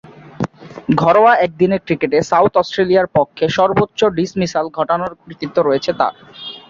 ঘরোয়া একদিনের ক্রিকেটে সাউথ অস্ট্রেলিয়ার পক্ষে সর্বোচ্চ ডিসমিসাল ঘটানোর কৃতিত্ব রয়েছে তার।